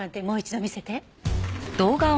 もう一度見せて。